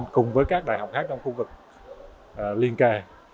cùng với các đại học khác trong khu vực liên kề